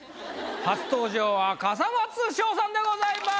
初登場は笠松将さんでございます。